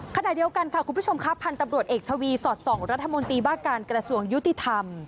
ขณะเดียวกันค่ะคุณผู้ชมครับพันธุ์ตำรวจเอกทวีสอดส่องรัฐมนตรีว่าการกระทรวงยุติธรรม